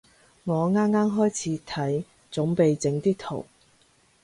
我啱啱開始睇，準備整啲圖